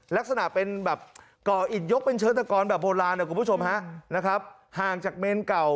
ลักษณะเป็นแบบก่ออิดยกเป็นเชิดตะกรแบบโบราณนะคุณผู้ชมฮะนะครับห่างจากเมนเก่า